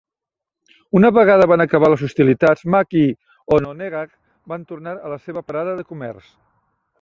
Una vegada van acabar les hostilitats, Mack i Hononegah van tornar a la seva parada de comerç.